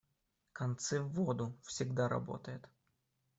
«Концы в воду» всегда работает.